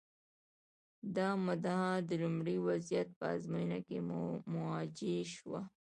دا مدعا د لومړني وضعیت په ازموینو کې موجه شوه.